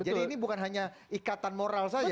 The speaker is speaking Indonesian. jadi ini bukan hanya ikatan moral saja